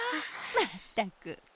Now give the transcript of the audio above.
まったく！